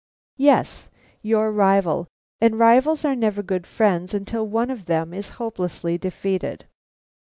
"Yes, your rival; and rivals are never good friends until one of them is hopelessly defeated."